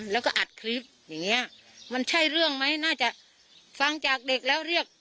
แล้วก็อัดคลิปอย่างเงี้ยมันใช่เรื่องไหมน่าจะฟังจากเด็กแล้วเรียก